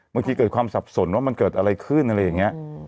เกิดความสับสนว่ามันเกิดอะไรขึ้นอะไรอย่างนี้